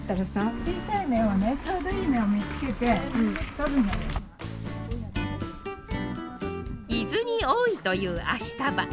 こちらは伊豆に多いというアシタバ。